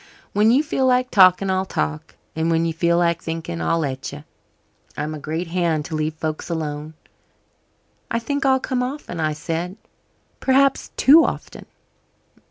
When you feel like talking, I'll talk, and when you feel like thinking, I'll let you. I'm a great hand to leave folks alone." "I think I'll come often," I said, "perhaps too often."